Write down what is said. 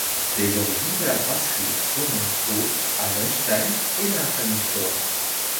Les origines de la brasserie remontent au à Lahnstein et dans la famille Fohr.